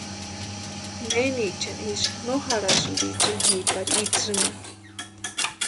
Menichani ísï no jarhasïnti itsï ni pari itsïmani.